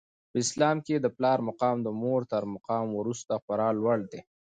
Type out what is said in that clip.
په اسلام کي د پلار مقام د مور تر مقام وروسته خورا لوړ دی.